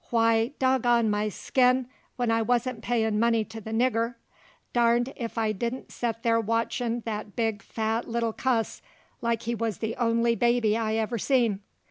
why, doggone my skin, when I wuzn't payin' money to the nigger, darned if I didn't set there watchin' the big, fat little cuss, like he wuz the only baby I ever seen.